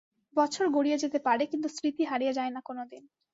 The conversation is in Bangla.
বছর গড়িয়ে যেতে পারে, কিন্তু স্মৃতি হারিয়ে যায় না কোনোদিন।